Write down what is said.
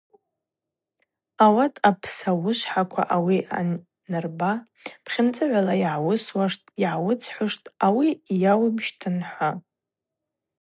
Ауат апсауышвхӏаква ауи анырбара пхьынцӏыгӏвала йгӏауысуаштӏ, йгӏауыцхӏуштӏ, ауаса йаууымщтын, – хӏва.